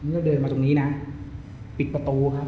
ก็เดินมาตรงนี้นะปิดประตูครับ